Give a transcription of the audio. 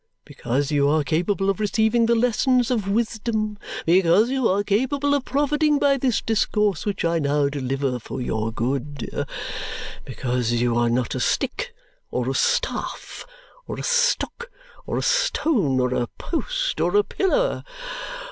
Because you are capable of receiving the lessons of wisdom, because you are capable of profiting by this discourse which I now deliver for your good, because you are not a stick, or a staff, or a stock, or a stone, or a post, or a pillar.